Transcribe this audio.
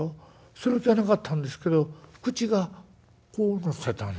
その気はなかったんですけど口がこうなってたんです。